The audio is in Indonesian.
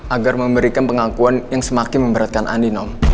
agar memberikan pengakuan yang semakin memberatkan andi nom